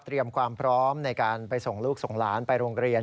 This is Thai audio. ความพร้อมในการไปส่งลูกส่งหลานไปโรงเรียน